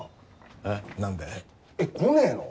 えっなんで？えっ来ねえの？